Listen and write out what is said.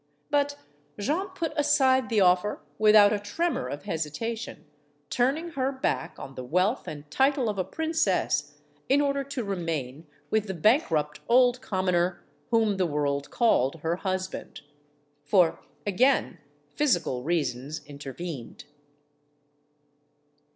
But Jeanne put aside the offer without a tremor of hesitation, turning her back on the wealth and title of a princess in order to remain with the bankrupt old commoner whom the world called her husband. For, again, physical reasons intervened.